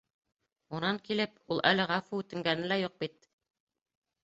Унан килеп, ул әле ғәфү үтенгәне лә юҡ бит!..